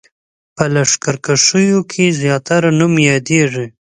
په لښکرکښیو کې زیاتره نوم یادېږي.